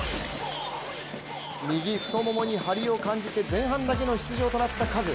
右太ももに張りを感じて前半だけの出場となったカズ。